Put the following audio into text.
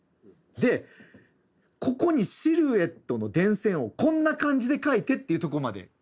でここにシルエットの電線をこんな感じで描いてっていうところまであります。